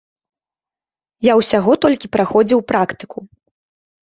Я ўсяго толькі праходзіў практыку.